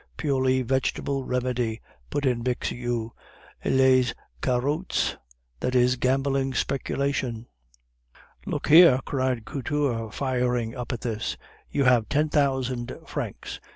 Purely vegetable remedy," put in Bixiou, "les carottes" (gambling speculation). "Look here!" cried Couture, firing up at this. "You have ten thousand francs.